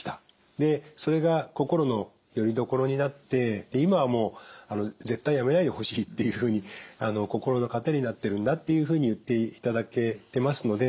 でそれが心のよりどころになって今はもう絶対やめないでほしいっていうふうに心の糧になってるんだっていうふうに言っていただけてますので。